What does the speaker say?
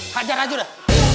hajar aja dah